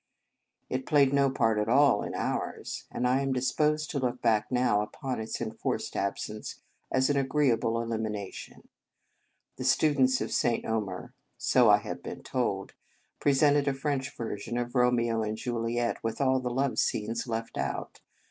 It played no part at all in ours, and I am disposed to look back now upon its enforced absence as an agree able elimination. The students of St. Omer so I have been told pre sented a French version of " Romeo and Juliet," with all the love scenes left out.